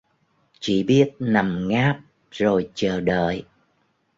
Chỉ biết nằm ngáp rồi chờ đợi